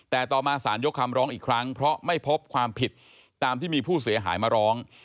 แต่ต่อมาสารยกคำร้องอีกครั้งเพราะไม่พบความผิดตามที่มีผู้เสียหายมาร้อง